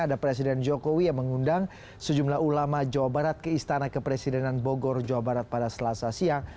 ada presiden jokowi yang mengundang sejumlah ulama jawa barat ke istana kepresidenan bogor jawa barat pada selasa siang